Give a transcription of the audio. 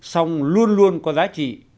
song luôn luôn có giá trị